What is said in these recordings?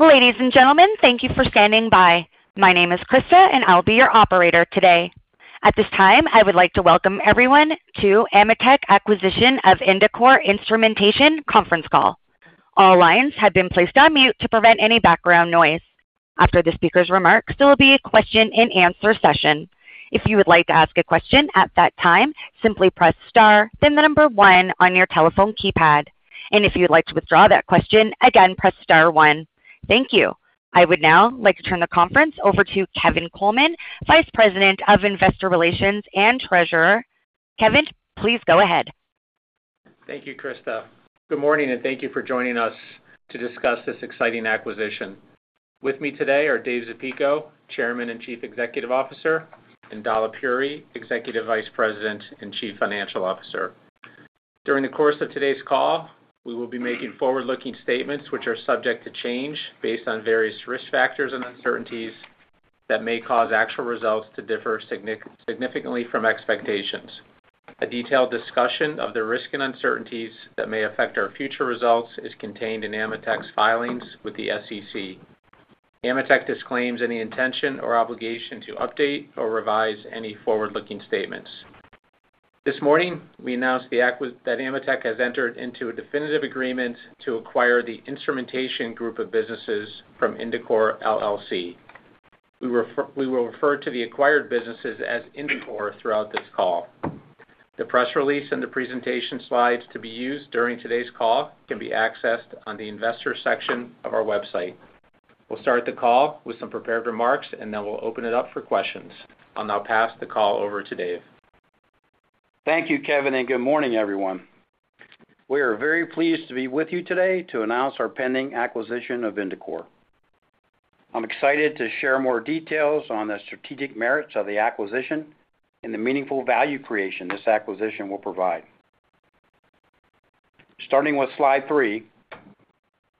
Ladies and gentlemen, thank you for standing by. My name is Krista and I'll be your operator today. At this time, I would like to welcome everyone to AMETEK Acquisition of Indicor Instrumentation conference call. All lines have been placed on mute to prevent any background noise. After the speaker's remarks, there will be a question and answer session. If you would like to ask a question at that time, simply press star then the number one on your telephone keypad. If you would like to withdraw that question, again, press star one. Thank you. I would now like to turn the conference over to Kevin Coleman, Vice President of Investor Relations and Treasurer. Kevin, please go ahead. Thank you, Krista. Good morning, thank you for joining us to discuss this exciting acquisition. With me today are David Zapico, Chairman and Chief Executive Officer, and Dalip Puri, Executive Vice President and Chief Financial Officer. During the course of today's call, we will be making forward-looking statements which are subject to change based on various risk factors and uncertainties that may cause actual results to differ significantly from expectations. A detailed discussion of the risk and uncertainties that may affect our future results is contained in AMETEK's filings with the SEC. AMETEK disclaims any intention or obligation to update or revise any forward-looking statements. This morning, we announced that AMETEK has entered into a definitive agreement to acquire the Instrumentation group of businesses from Indicor, LLC. We will refer to the acquired businesses as Indicor throughout this call. The press release and the presentation slides to be used during today's call can be accessed on the investor section of our website. We'll start the call with some prepared remarks, and then we'll open it up for questions. I'll now pass the call over to Dave. Thank you, Kevin, and good morning, everyone. We are very pleased to be with you today to announce our pending acquisition of Indicor. I'm excited to share more details on the strategic merits of the acquisition and the meaningful value creation this acquisition will provide. Starting with slide three,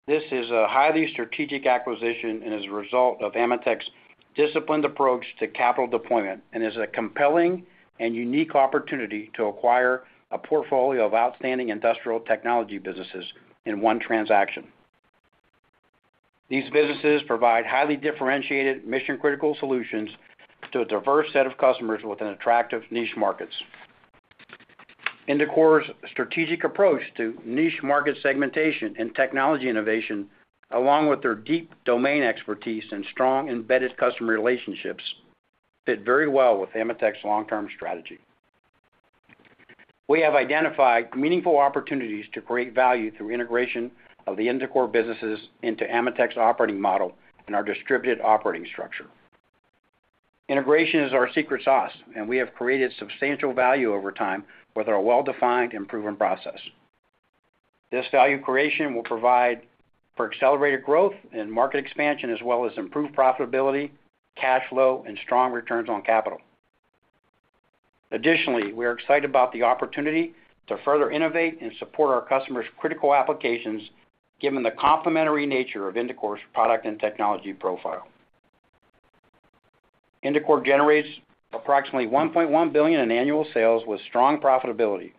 this is a highly strategic acquisition and is a result of AMETEK's disciplined approach to capital deployment and is a compelling and unique opportunity to acquire a portfolio of outstanding industrial technology businesses in one transaction. These businesses provide highly differentiated mission-critical solutions to a diverse set of customers within attractive niche markets. Indicor's strategic approach to niche market segmentation and technology innovation, along with their deep domain expertise and strong embedded customer relationships, fit very well with AMETEK's long-term strategy. We have identified meaningful opportunities to create value through integration of the Indicor businesses into AMETEK's operating model and our distributed operating structure. Integration is our secret sauce, and we have created substantial value over time with our well-defined and proven process. This value creation will provide for accelerated growth and market expansion as well as improved profitability, cash flow, and strong returns on capital. Additionally, we are excited about the opportunity to further innovate and support our customers' critical applications given the complementary nature of Indicor's product and technology profile. Indicor generates approximately $1.1 billion in annual sales with strong profitability,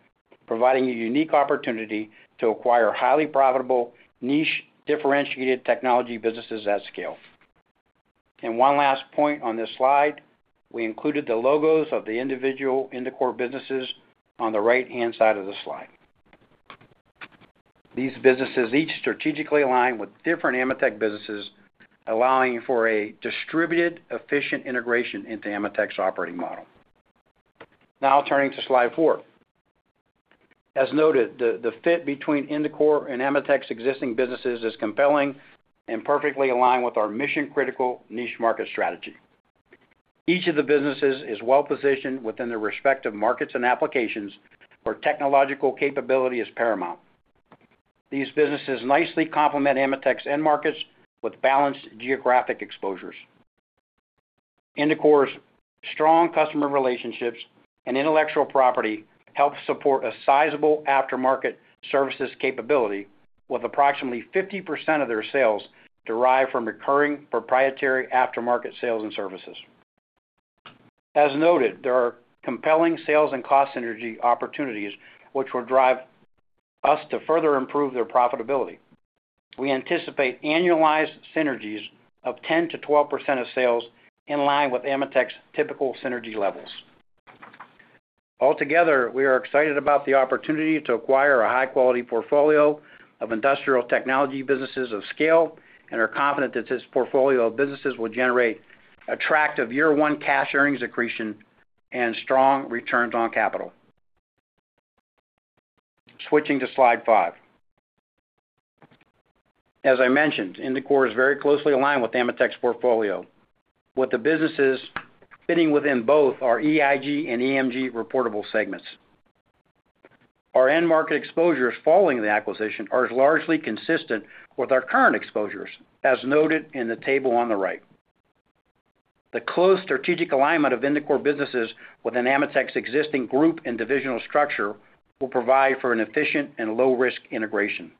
providing a unique opportunity to acquire highly profitable niche differentiated technology businesses at scale. One last point on this slide, we included the logos of the individual Indicor businesses on the right-hand side of the slide. These businesses each strategically align with different AMETEK businesses, allowing for a distributed, efficient integration into AMETEK's operating model. Now turning to slide four. As noted, the fit between Indicor and AMETEK's existing businesses is compelling and perfectly aligned with our mission-critical niche market strategy. Each of the businesses is well-positioned within their respective markets and applications where technological capability is paramount. These businesses nicely complement AMETEK's end markets with balanced geographic exposures. Indicor's strong customer relationships and intellectual property help support a sizable aftermarket services capability with approximately 50% of their sales derived from recurring proprietary aftermarket sales and services. As noted, there are compelling sales and cost synergy opportunities which will drive us to further improve their profitability. We anticipate annualized synergies of 10%-12% of sales in line with AMETEK's typical synergy levels. We are excited about the opportunity to acquire a high-quality portfolio of industrial technology businesses of scale and are confident that this portfolio of businesses will generate attractive year one cash earnings accretion and strong returns on capital. Switching to slide five. As I mentioned, Indicor is very closely aligned with AMETEK's portfolio, with the businesses fitting within both our EIG and EMG reportable segments. Our end market exposures following the acquisition are largely consistent with our current exposures, as noted in the table on the right. The close strategic alignment of Indicor businesses within AMETEK's existing group and divisional structure will provide for an efficient and low-risk integration.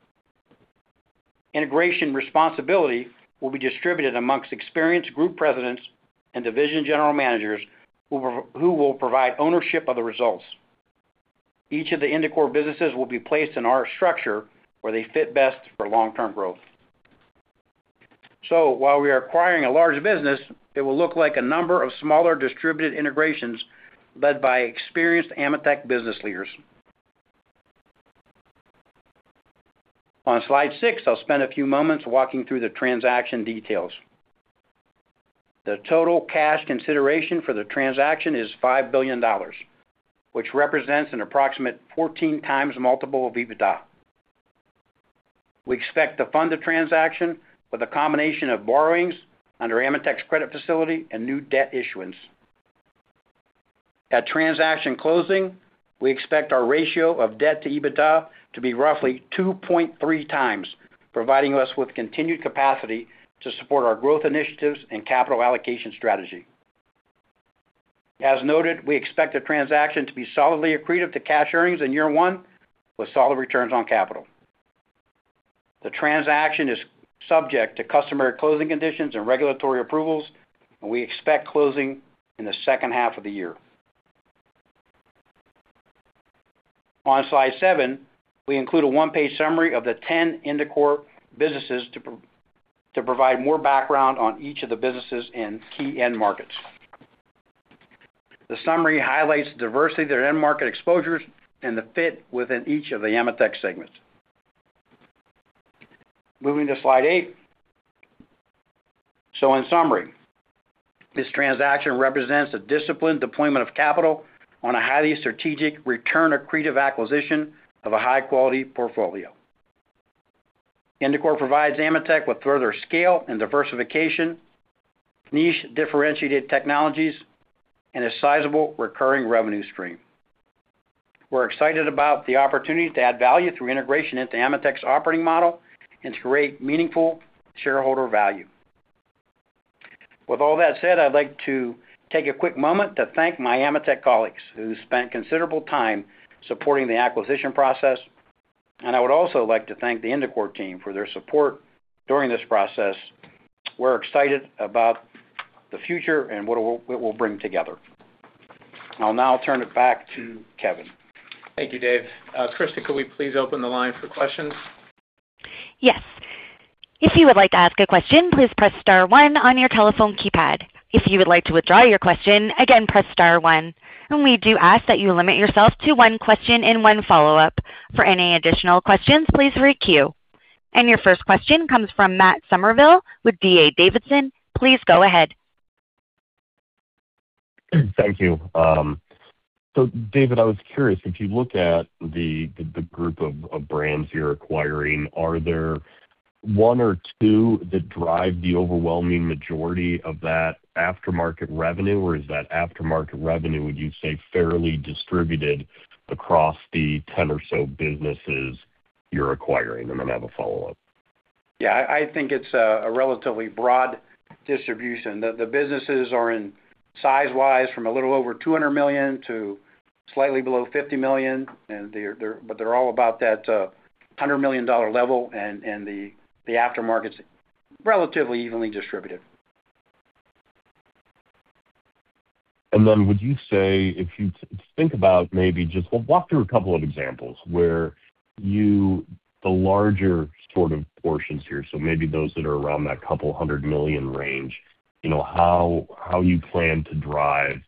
Integration responsibility will be distributed amongst experienced group presidents and division general managers who will provide ownership of the results. Each of the Indicor businesses will be placed in our structure where they fit best for long-term growth. While we are acquiring a large business, it will look like a number of smaller distributed integrations led by experienced AMETEK business leaders. On slide six, I'll spend a few moments walking through the transaction details. The total cash consideration for the transaction is $5 billion, which represents an approximate 14 times multiple of EBITDA. We expect to fund the transaction with a combination of borrowings under AMETEK's credit facility and new debt issuance. At transaction closing, we expect our ratio of debt to EBITDA to be roughly 2.3 times, providing us with continued capacity to support our growth initiatives and capital allocation strategy. As noted, we expect the transaction to be solidly accretive to cash earnings in year one, with solid returns on capital. The transaction is subject to customary closing conditions and regulatory approvals. We expect closing in the second half of the year. On slide seven, we include a one-page summary of the 10 Indicor businesses to provide more background on each of the businesses in key end markets. The summary highlights the diversity of their end market exposures and the fit within each of the AMETEK segments. Moving to slide eight. In summary, this transaction represents a disciplined deployment of capital on a highly strategic return accretive acquisition of a high-quality portfolio. Indicor provides AMETEK with further scale and diversification, niche differentiated technologies, and a sizable recurring revenue stream. We're excited about the opportunity to add value through integration into AMETEK's operating model and to create meaningful shareholder value. With all that said, I'd like to take a quick moment to thank my AMETEK colleagues who spent considerable time supporting the acquisition process, and I would also like to thank the Indicor team for their support during this process. We're excited about the future and what it will bring together. I'll now turn it back to Kevin. Thank you, Dave. Krista, could we please open the line for questions? Yes. If you would like to ask a question, please press star one on your telephone keypad. If you would like to withdraw your question, again, press star one. We do ask that you limit yourself to one question and 1 follow-up. For any additional questions, please re-queue. Your first question comes from Matt Summerville with D.A. Davidson. Please go ahead. Thank you. David, I was curious, if you look at the group of brands you're acquiring, are there one or two that drive the overwhelming majority of that aftermarket revenue, or is that aftermarket revenue, would you say, fairly distributed across the 10 or so businesses you're acquiring? I have a follow-up. Yeah, I think it's a relatively broad distribution. The businesses are in, size-wise, from a little over $200 million to slightly below $50 million, and they're, but they're all about that $100 million level and the aftermarket's relatively evenly distributed. Would you say, if you think about maybe just walk through a couple of examples where you the larger sort of portions here, so maybe those that are around that $200 million range, you know, how you plan to drive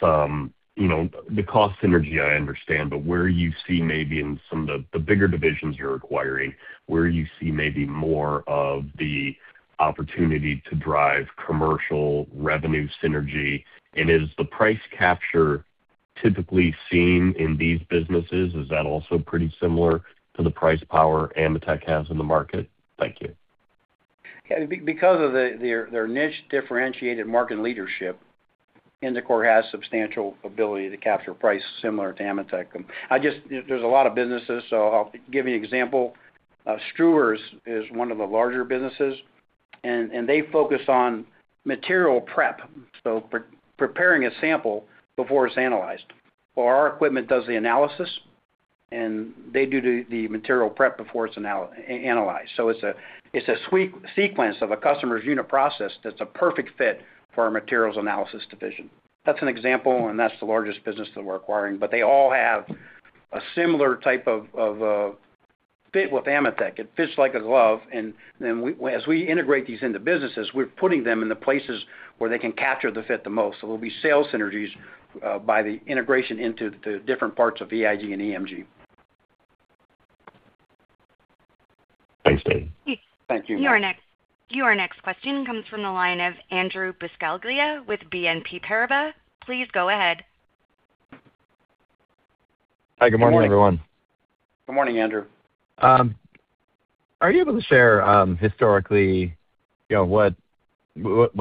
some, you know, the cost synergy I understand, but where you see maybe in some of the bigger divisions you're acquiring, where you see maybe more of the opportunity to drive commercial revenue synergy. Is the price capture typically seen in these businesses, is that also pretty similar to the price power AMETEK has in the market? Thank you. Because of their niche differentiated market leadership, Indicor has substantial ability to capture price similar to AMETEK. There's a lot of businesses. I'll give you an example. Struers is one of the larger businesses, and they focus on material prep, pre-preparing a sample before it's analyzed. Our equipment does the analysis, and they do the material prep before it's analyzed. It's a, it's a sequence of a customer's unit process that's a perfect fit for our materials analysis division. That's an example, and that's the largest business that we're acquiring. They all have a similar type of fit with AMETEK. It fits like a glove, we, as we integrate these into businesses, we're putting them in the places where they can capture the fit the most. There'll be sales synergies by the integration into the different parts of EIG and EMG. Thanks, Dave. Thank you. Your next question comes from the line of Andrew Buscaglia with BNP Paribas. Please go ahead. Hi, good morning, everyone. Good morning, Andrew. Are you able to share, historically, you know, what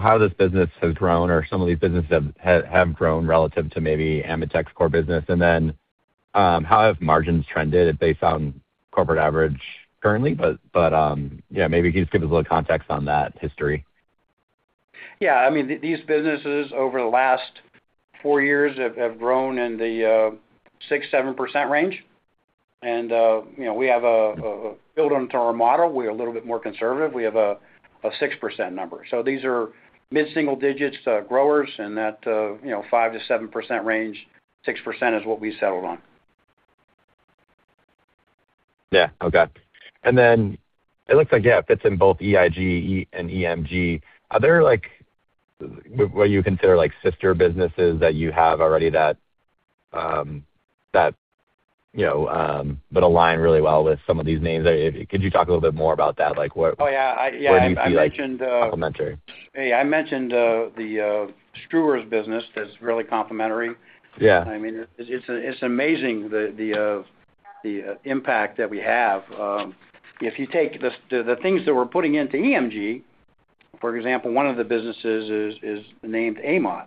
how this business has grown or some of these businesses have grown relative to maybe AMETEK's core business? How have margins trended if based on corporate average currently, but, yeah, maybe can you just give us a little context on that history? Yeah. I mean, these businesses over the last years years have grown in the 6%, 7% range. You know, we have a build into our model. We're a little bit more conservative. We have a 6% number. These are mid-single digits growers and that, you know, 5%-7% range, 6% is what we settled on. Yeah. Okay. It looks like, yeah, it fits in both EIG and EMG. Are there, like, what you consider, like, sister businesses that you have already that, you know, would align really well with some of these names? Could you talk a little bit more about that? Oh, yeah. Where do you see, like? I mentioned. -complementary? Hey, I mentioned the Struers business that's really complementary. Yeah. I mean, it's amazing the impact that we have. If you take the things that we're putting into EMG, for example, one of the businesses is named AMOT,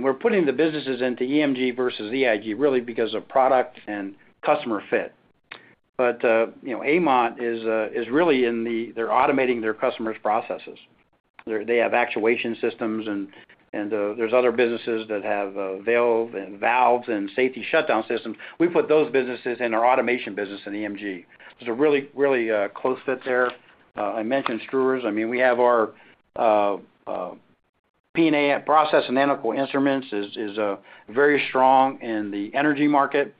we're putting the businesses into EMG versus EIG really because of product and customer fit. AMOT is really in the, they're automating their customers' processes. They have actuation systems and there's other businesses that have valves and safety shutdown systems. We put those businesses in our automation business in EMG. There's a really close fit there. I mentioned Struers. I mean, we have our P&A, Process and analytical Instruments is very strong in the energy market.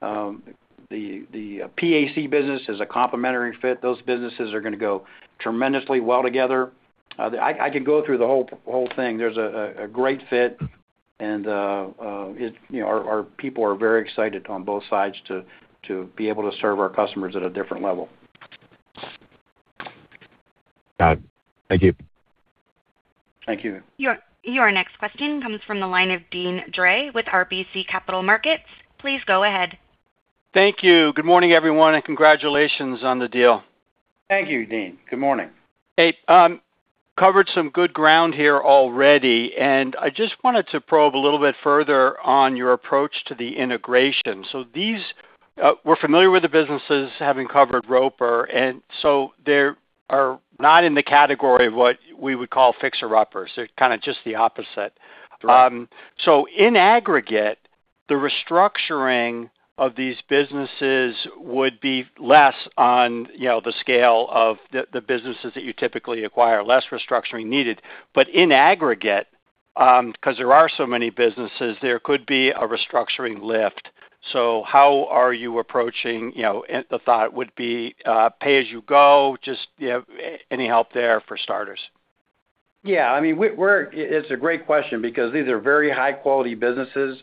The PAC business is a complementary fit. Those businesses are gonna go tremendously well together. I could go through the whole thing. There's a great fit and it, you know, our people are very excited on both sides to be able to serve our customers at a different level. Got it. Thank you. Thank you. Your next question comes from the line of Deane Dray with RBC Capital Markets. Please go ahead. Thank you. Good morning, everyone. Congratulations on the deal. Thank you, Deane. Good morning. Hey, covered some good ground here already, and I just wanted to probe a little bit further on your approach to the integration. These, we're familiar with the businesses having covered Roper, and so they are not in the category of what we would call fixer-uppers. They're kind of just the opposite. Right. In aggregate, the restructuring of these businesses would be less on, you know, the scale of the businesses that you typically acquire, less restructuring needed. In aggregate, 'cause there are so many businesses, there could be a restructuring lift. How are you approaching, you know, and the thought would be, pay as you go, just, you know, any help there for starters? Yeah. I mean, It's a great question because these are very high quality businesses.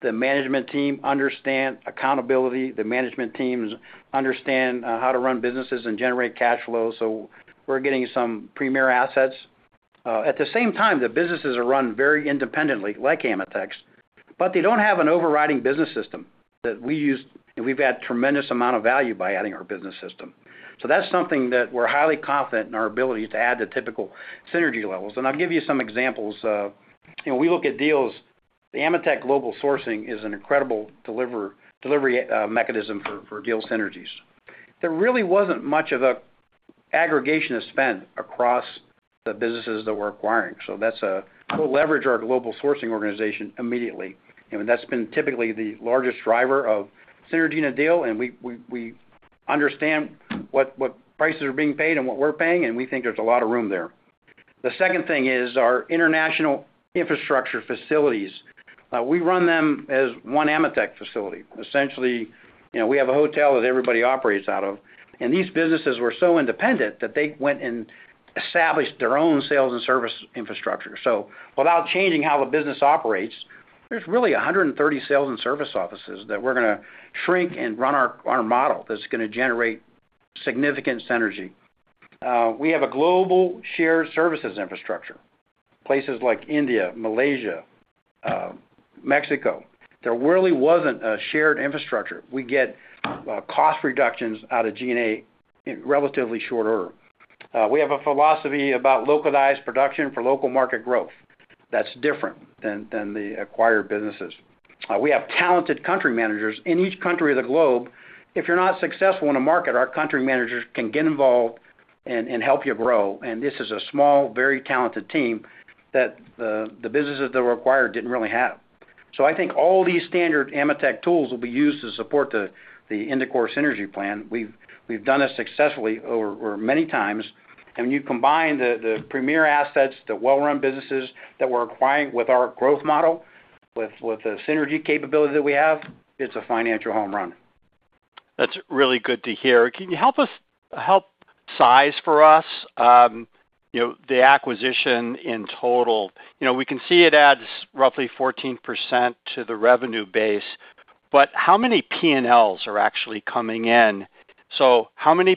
The management team understand accountability. The management teams understand how to run businesses and generate cash flow. We're getting some premier assets. At the same time, the businesses are run very independently, like AMETEK's, but they don't have an overriding business system that we use, and we've had tremendous amount of value by adding our business system. That's something that we're highly confident in our ability to add the typical synergy levels, and I'll give you some examples. You know, we look at deals. The AMETEK global sourcing is an incredible delivery mechanism for deal synergies. There really wasn't much of an aggregation of spend across the businesses that we're acquiring. We'll leverage our global sourcing organization immediately. You know, that's been typically the largest driver of synergy in a deal, we understand what prices are being paid and what we're paying, and we think there's a lot of room there. The second thing is our international infrastructure facilities. We run them as one AMETEK facility. Essentially, you know, we have a hotel that everybody operates out of, these businesses were so independent that they went and established their own sales and service infrastructure. Without changing how a business operates, there's really 130 sales and service offices that we're gonna shrink and run our model that's gonna generate significant synergy. We have a global shared services infrastructure, places like India, Malaysia, Mexico. There really wasn't a shared infrastructure. We get cost reductions out of G&A in relatively short order. We have a philosophy about localized production for local market growth that's different than the acquired businesses. We have talented country managers in each country of the globe. If you're not successful in a market, our country managers can get involved and help you grow. This is a small, very talented team that the businesses that were acquired didn't really have. I think all these standard AMETEK tools will be used to support the Indicor synergy plan. We've done this successfully over many times. When you combine the premier assets, the well-run businesses that we're acquiring with our growth model, with the synergy capability that we have, it's a financial home run. That's really good to hear. Can you help us, help size for us, you know, the acquisition in total? You know, we can see it adds roughly 14% to the revenue base, but how many P&Ls are actually coming in? How many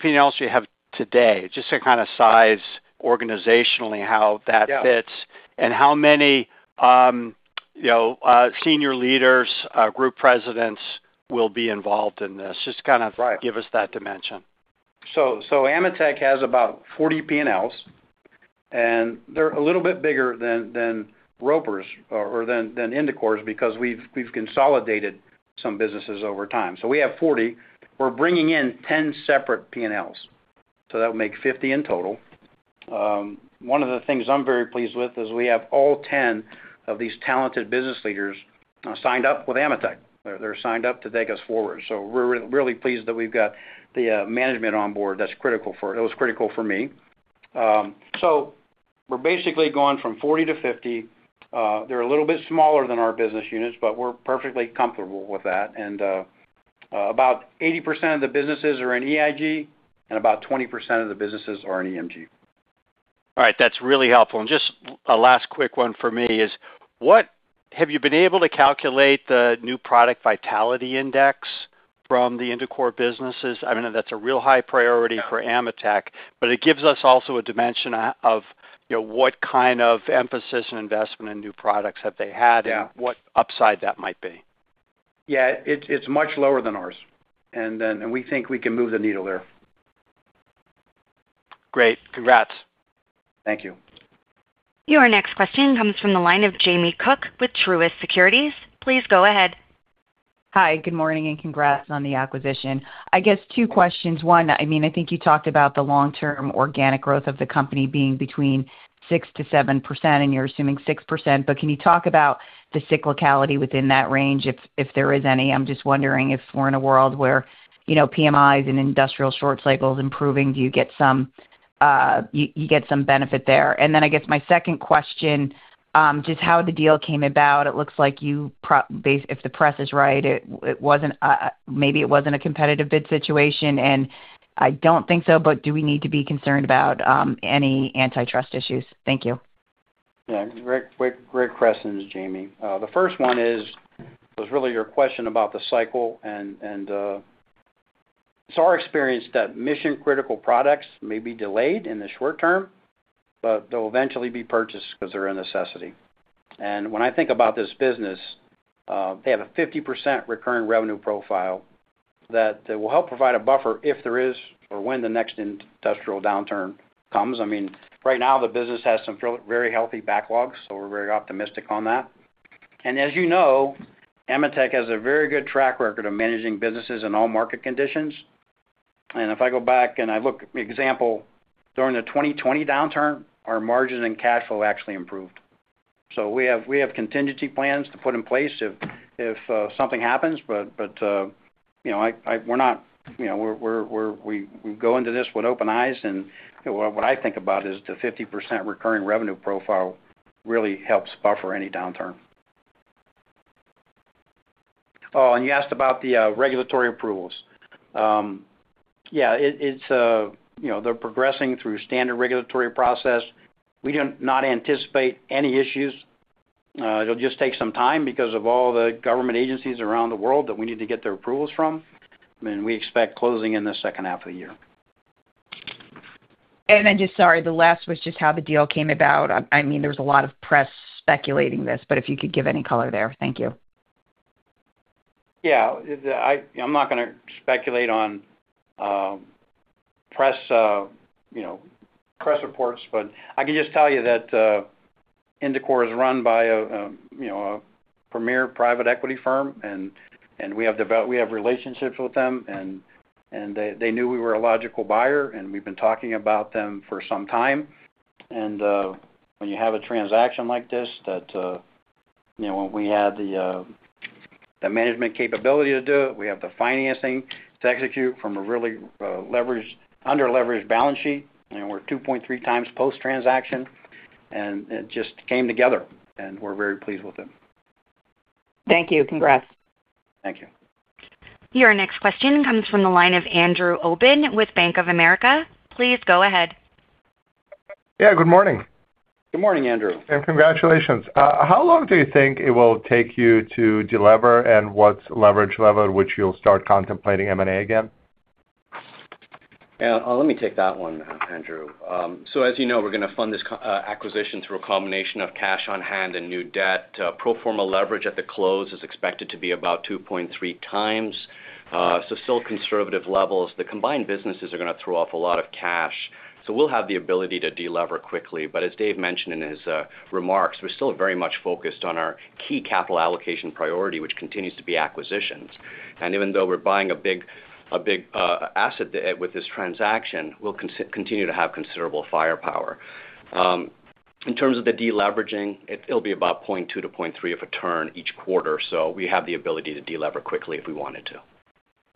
P&Ls do you have today? Just to kind of size organizationally how that fits. Yeah. How many, you know, senior leaders, group presidents will be involved in this? Right. Just kind of give us that dimension. AMETEK has about 40 P&Ls, and they're a little bit bigger than Roper's or than Indicor's because we've consolidated some businesses over time. We have 40. We're bringing in 10 separate P&Ls. That will make 50 in total. One of the things I'm very pleased with is we have all 10 of these talented business leaders signed up with AMETEK. They're signed up to take us forward. We're really pleased that we've got the management on board. It was critical for me. We're basically going from 40 to 50. They're a little bit smaller than our business units, but we're perfectly comfortable with that. About 80% of the businesses are in EIG, and about 20% of the businesses are in EMG. All right. That's really helpful. Just a last quick one for me is, what have you been able to calculate the New Product Vitality Index from the Indicor businesses? I mean, I know that's a real high priority for AMETEK, but it gives us also a dimension of, you know, what kind of emphasis and investment in new products have they had. Yeah. What upside that might be. Yeah. It's much lower than ours. We think we can move the needle there. Great. Congrats. Thank you. Your next question comes from the line of Jamie Cook with Truist Securities. Please go ahead. Hi, good morning, and congrats on the acquisition. I guess two questions. One, I think you talked about the long-term organic growth of the company being between 6%-7%, and you're assuming 6%, but can you talk about the cyclicality within that range if there is any? I'm just wondering if we're in a world where, you know, PMIs and industrial short cycles improving, do you get some benefit there? I guess my second question, just how the deal came about. It looks like you if the press is right, it wasn't maybe it wasn't a competitive bid situation, and I don't think so, but do we need to be concerned about any antitrust issues? Thank you. Yeah. Great questions, Jamie. The first one was really your question about the cycle and it's our experience that mission-critical products may be delayed in the short term, but they'll eventually be purchased 'cause they're a necessity. When I think about this business, they have a 50% recurring revenue profile that will help provide a buffer if there is or when the next industrial downturn comes. I mean, right now, the business has some real very healthy backlogs, so we're very optimistic on that. As you know, AMETEK has a very good track record of managing businesses in all market conditions. If I go back and I look, example, during the 2020 downturn, our margin and cash flow actually improved. We have contingency plans to put in place if something happens. You know, we go into this with open eyes, and what I think about is the 50% recurring revenue profile really helps buffer any downturn. You asked about the regulatory approvals. You know, they're progressing through standard regulatory process. We do not anticipate any issues. It'll just take some time because of all the government agencies around the world that we need to get their approvals from. I mean, we expect closing in the second half of the year. Just, sorry, the last was just how the deal came about. I mean, there was a lot of press speculating this, but if you could give any color there. Thank you. Yeah. The, I'm not gonna speculate on, you know, press reports, but I can just tell you that Indicor is run by a, you know, a premier private equity firm, and we have relationships with them, and they knew we were a logical buyer, and we've been talking about them for some time. When you have a transaction like this that, you know, when we have the management capability to do it, we have the financing to execute from a really leveraged, under-leveraged balance sheet, we're 2.3 times post-transaction, and it just came together, and we're very pleased with it. Thank you. Congrats. Thank you. Your next question comes from the line of Andrew Obin with Bank of America. Please go ahead. Yeah, good morning. Good morning, Andrew. Congratulations. How long do you think it will take you to delever, and what's leverage level at which you'll start contemplating M&A again? Yeah. Let me take that one, Andrew. As you know, we're gonna fund this acquisition through a combination of cash on hand and new debt. Pro forma leverage at the close is expected to be about 2.3 times, still conservative levels. The combined businesses are gonna throw off a lot of cash, so we'll have the ability to delever quickly. As David Zapico mentioned in his remarks, we're still very much focused on our key capital allocation priority, which continues to be acquisitions. Even though we're buying a big asset with this transaction, we'll continue to have considerable firepower. In terms of the deleveraging, it'll be about 0.2 to 0.3 of a turn each quarter. We have the ability to delever quickly if we wanted to.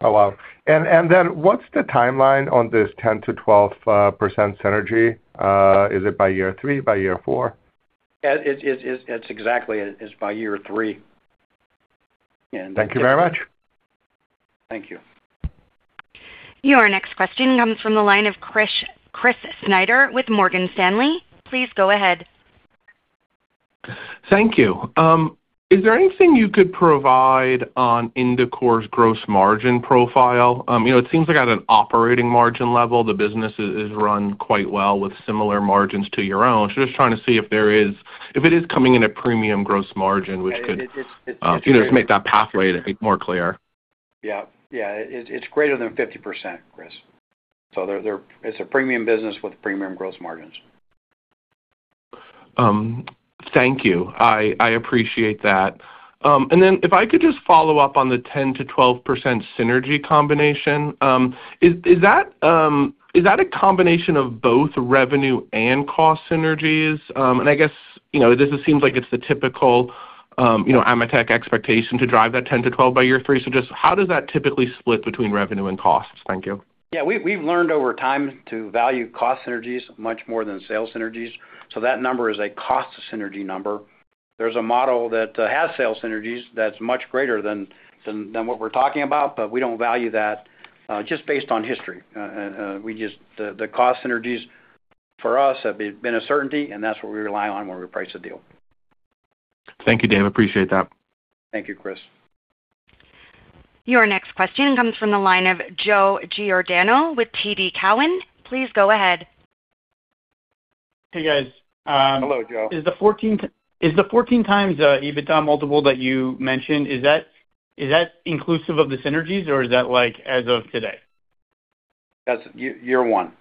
Oh, wow. Then what's the timeline on this 10%-12% synergy? Is it by year three? By year four? Yeah. It's exactly, it's by year three. Thank you very much. Thank you. Your next question comes from the line of Chris Snyder with Morgan Stanley. Please go ahead. Thank you. Is there anything you could provide on Indicor's gross margin profile? You know, it seems like at an operating margin level, the business is run quite well with similar margins to your own. Just trying to see if it is coming in a premium gross margin. Yeah. It's. You know, just make that pathway a bit more clear. Yeah. Yeah. It's greater than 50%, Chris. They're a premium business with premium gross margins. Thank you. I appreciate that. Then if I could just follow up on the 10%-12% synergy combination. Is that a combination of both revenue and cost synergies? I guess, you know, this just seems like it's the typical, you know, AMETEK expectation to drive that 10%-12% by year three. Just how does that typically split between revenue and costs? Thank you. Yeah. We've learned over time to value cost synergies much more than sales synergies. That number is a cost synergy number. There's a model that has sales synergies that's much greater than what we're talking about, but we don't value that just based on history. The cost synergies for us have been a certainty, and that's what we rely on when we price a deal. Thank you, Dave. Appreciate that. Thank you, Chris. Your next question comes from the line of Joe Giordano with TD Cowen. Please go ahead. Hey, guys. Hello, Joe. Is the 14x EBITDA multiple that you mentioned, is that inclusive of the synergies, or is that, like, as of today? That's year one.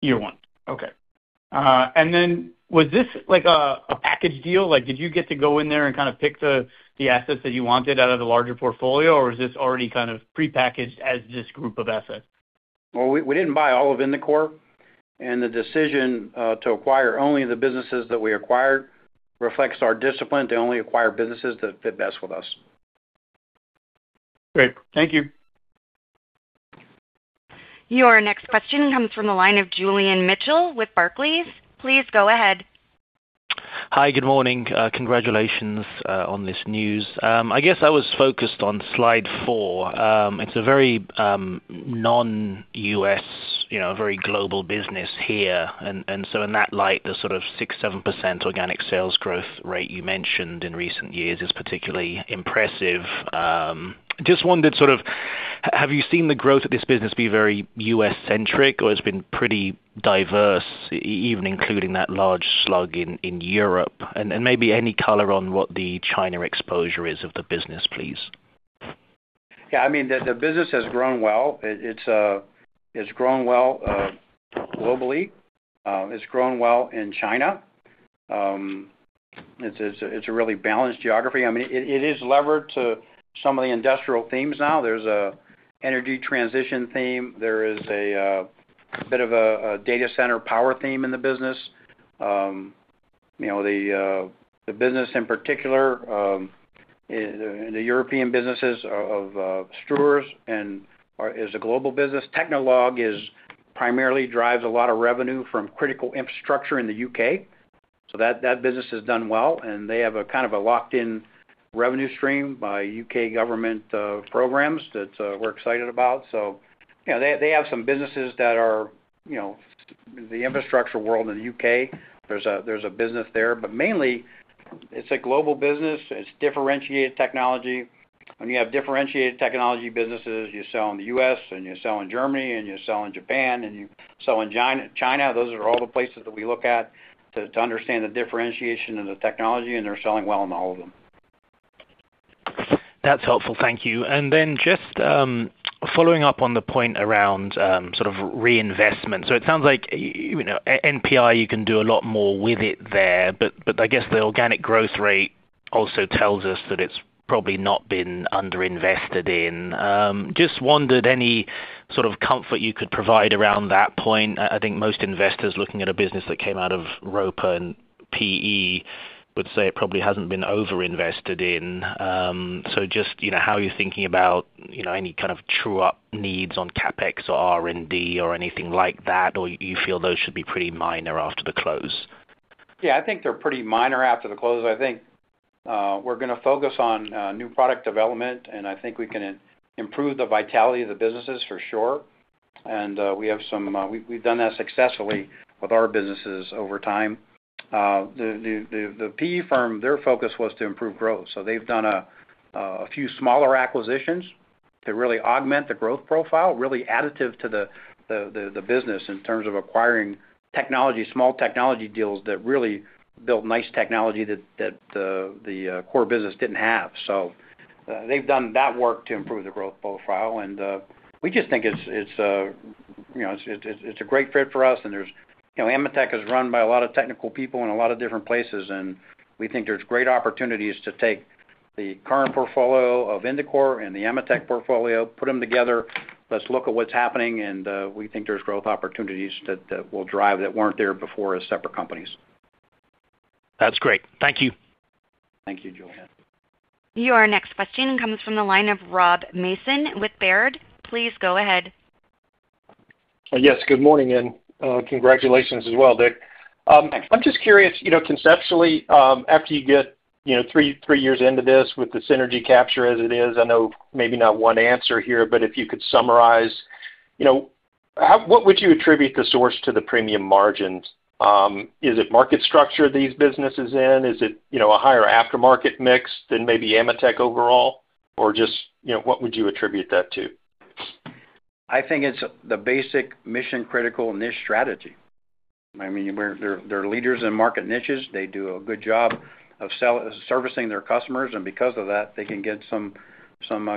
Year one. Okay. Was this like a package deal? Like, did you get to go in there and kind of pick the assets that you wanted out of the larger portfolio, or was this already kind of prepackaged as this group of assets? Well, we didn't buy all of Indicor. The decision to acquire only the businesses that we acquired reflects our discipline to only acquire businesses that fit best with us. Great. Thank you. Your next question comes from the line of Julian Mitchell with Barclays. Please go ahead. Hi, good morning. Congratulations on this news. I guess I was focused on slide four. It's a very non-U.S., you know, very global business here. In that light, the sort of 6%, 7% organic sales growth rate you mentioned in recent years is particularly impressive. Just wondered sort of have you seen the growth of this business be very U.S.-centric, or it's been pretty diverse even including that large slug in Europe? Maybe any color on what the China exposure is of the business, please. Yeah, I mean, the business has grown well. It's grown well globally. It's grown well in China. It's a really balanced geography. I mean, it is levered to some of the industrial themes now. There's a energy transition theme. There is a bit of a data center power theme in the business. You know, the business in particular, the European businesses of Struers is a global business. Technolog is primarily drives a lot of revenue from critical infrastructure in the U.K., so that business has done well, and they have a kind of a locked-in revenue stream by U.K. government programs that we're excited about. So, you know, they have some businesses that are, you know, the infrastructure world in the U.K. There's a business there. Mainly it's a global business. It's differentiated technology. When you have differentiated technology businesses, you sell in the U.S., and you sell in Germany, and you sell in Japan, and you sell in China. Those are all the places that we look at to understand the differentiation in the technology, and they're selling well in all of them. That's helpful. Thank you. Following up on the point around sort of reinvestment. It sounds like, you know, NPI, you can do a lot more with it there, but I guess the organic growth rate also tells us that it's probably not been under-invested in. Just wondered any sort of comfort you could provide around that point. I think most investors looking at a business that came out of Roper and PE would say it probably hasn't been over-invested in. Just, you know, how you're thinking about, you know, any kind of true-up needs on CapEx or R&D or anything like that, or you feel those should be pretty minor after the close? Yeah, I think they're pretty minor after the close. I think we're gonna focus on new product development, and I think we can improve the vitality of the businesses for sure. We have some, we've done that successfully with our businesses over time. The PE firm, their focus was to improve growth. They've done a few smaller acquisitions to really augment the growth profile, really additive to the business in terms of acquiring technology, small technology deals that really built nice technology that the core business didn't have. They've done that work to improve the growth profile. We just think it's, you know, it's a great fit for us. There's, you know, AMETEK is run by a lot of technical people in a lot of different places, and we think there's great opportunities to take the current portfolio of Indicor and the AMETEK portfolio, put them together. Let's look at what's happening. We think there's growth opportunities that will drive that weren't there before as separate companies. That's great. Thank you. Thank you, Julian. Your next question comes from the line of Rob Mason with Baird. Please go ahead. Yes, good morning, and congratulations as well, Dave. I'm just curious, you know, conceptually, after you get, you know, three years into this with the synergy capture as it is, I know maybe not one answer here, but if you could summarize, you know, what would you attribute the source to the premium margins? Is it market structure these businesses in? Is it, you know, a higher aftermarket mix than maybe AMETEK overall? Or just, you know, what would you attribute that to? I think it's the basic mission-critical niche strategy. I mean, they're leaders in market niches. They do a good job of servicing their customers, and because of that, they can get some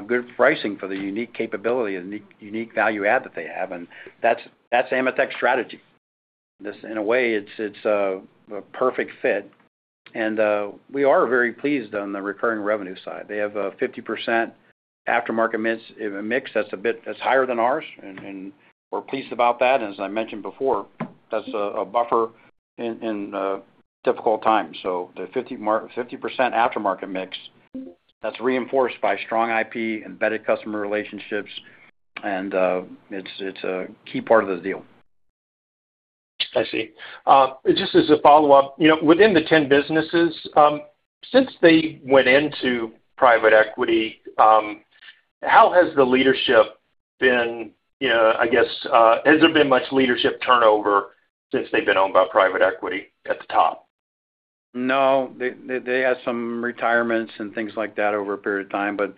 good pricing for the unique capability and unique value add that they have, and that's AMETEK's strategy. This, in a way, it's a perfect fit. We are very pleased on the recurring revenue side. They have a 50% aftermarket mix that's higher than ours. We're pleased about that. As I mentioned before, that's a buffer in difficult times. The 50% aftermarket mix, that's reinforced by strong IP, embedded customer relationships, it's a key part of the deal. I see. Just as a follow-up, you know, within the 10 businesses, since they went into private equity, how has the leadership been? You know, I guess, has there been much leadership turnover since they've been owned by private equity at the top? No. They had some retirements and things like that over a period of time, but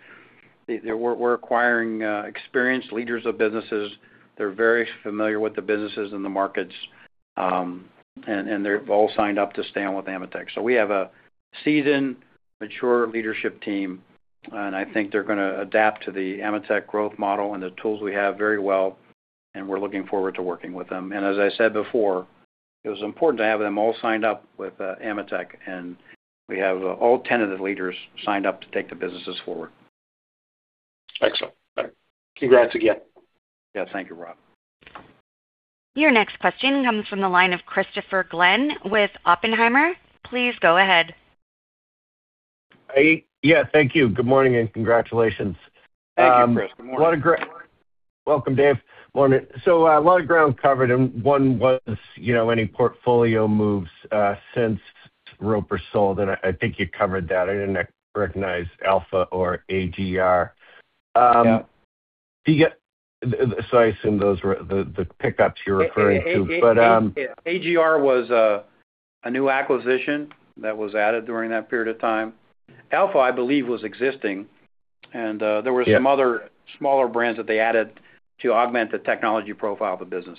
we're acquiring experienced leaders of businesses. They're very familiar with the businesses and the markets, and they're all signed up to stay on with AMETEK. We have a seasoned, mature leadership team, and I think they're gonna adapt to the AMETEK growth model and the tools we have very well, and we're looking forward to working with them. As I said before, it was important to have them all signed up with AMETEK, and we have all 10 of the leaders signed up to take the businesses forward. Excellent. All right. Congrats again. Yeah. Thank you, Rob. Your next question comes from the line of Christopher Glynn with Oppenheimer. Please go ahead. I Yeah. Thank you. Good morning, and congratulations. Thank you, Chris. Good morning. What a great welcome, Dave. Morning. A lot of ground covered, one was, you know, any portfolio moves since Roper sold, I think you covered that. I didn't recognize Alphasense or ADR. Yeah. I assume those were the pickups you're referring to, but. ADR was a new acquisition that was added during that period of time. Alphasense, I believe, was existing. There were some other smaller brands that they added to augment the technology profile of the business.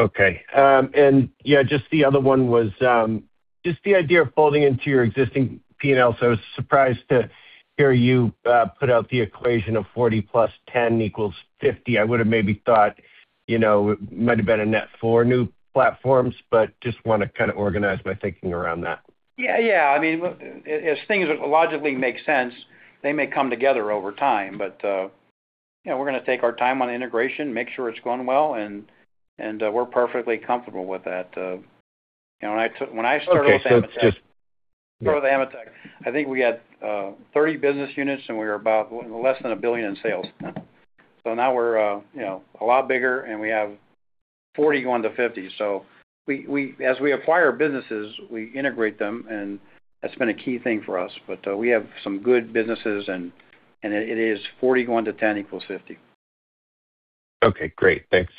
Okay. Yeah, just the other one was just the idea of folding into your existing P&L. I was surprised to hear you put out the equation of 40 plus 10 equals 50. I would have maybe thought, you know, it might have been a net four new platforms, but just wanna kinda organize my thinking around that. Yeah. Yeah. I mean, as things logically make sense, they may come together over time. You know, we're gonna take our time on integration, make sure it's going well, and, we're perfectly comfortable with that. You know, when I started with AMETEK. Okay. With AMETEK, I think we had 30 business units, and we were about less than a billion in sales. Now we're, you know, a lot bigger, and we have 40 going to 50. We, as we acquire businesses, we integrate them, and that's been a key thing for us. We have some good businesses, and it is 40 going to 10 equals 50. Okay, great. Thanks.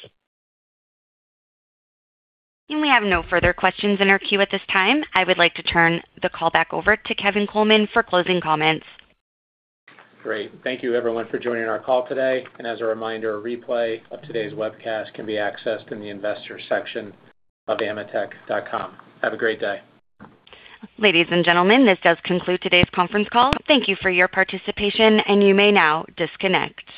We have no further questions in our queue at this time. I would like to turn the call back over to Kevin Coleman for closing comments. Great. Thank you, everyone, for joining our call today. As a reminder, a replay of today's webcast can be accessed in the investor section of ametek.com. Have a great day. Ladies and gentlemen, this does conclude today's conference call. Thank you for your participation, and you may now disconnect.